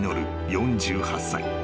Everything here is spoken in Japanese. ４８歳］